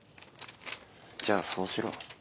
じゃあそうしろ。